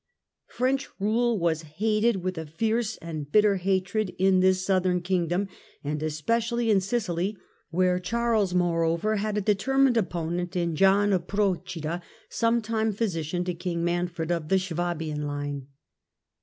French rule was hated with a fierce and bitter hatred in this Southern Kingdom, and especially in Sicily, where Charles moreover had a determined opponent in John of Procida, sometime physician to King Manfred of the Swabian line.